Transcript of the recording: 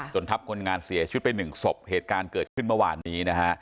จนทับคนงานเสียชุดไป๑ศพเหตุการณ์เกิดขึ้นเมื่อวานนี้นะคะ